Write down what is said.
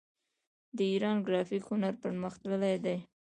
د ایران ګرافیک هنر پرمختللی دی.